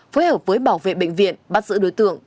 phối hợp với bảo vệ bệnh viện bắt giữ đối tượng